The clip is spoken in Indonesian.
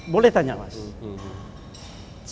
boleh tanya mas